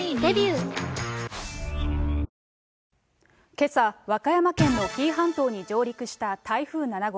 けさ、和歌山県の紀伊半島に上陸した台風７号。